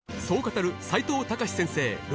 そう語る齋藤孝先生